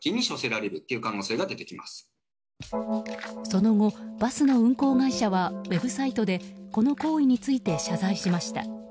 その後、バスの運行会社はウェブサイトでこの行為について謝罪しました。